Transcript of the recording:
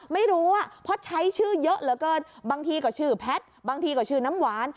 ไม่รู้เพราะใช้ชื่อเยอะเหลือเกินบางทีก็ชื่อแพทย์บางทีก็ชื่อน้ำหวาน